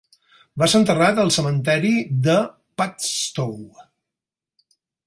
Va ser enterrat al cementiri de Padstow.